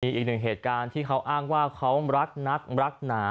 อีกหนึ่งเหตุการณ์ที่เขาอ้างว่าเขารักนักรักหนา